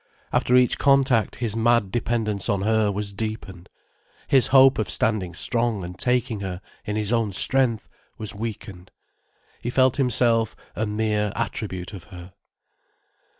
After each contact his mad dependence on her was deepened, his hope of standing strong and taking her in his own strength was weakened. He felt himself a mere attribute of her.